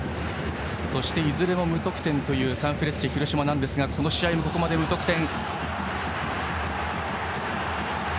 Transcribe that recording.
そして、いずれも無得点というサンフレッチェ広島ですがこの試合もここまで無得点。